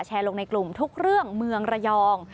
ลงในกลุ่มทุกเรื่องเมืองระยอง